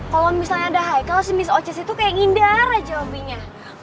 kalau misalnya ada haikal si miss oces itu kayak ngindara jawabinya